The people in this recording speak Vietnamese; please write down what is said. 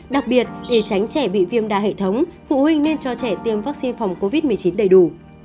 đặc biệt để tránh trẻ bị viêm đa hệ thống phụ huynh nên cho trẻ tiêm vaccine phòng covid một mươi chín đầy đủ